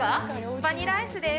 バニラアイスです。